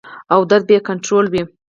او درد به ئې کنټرول وي -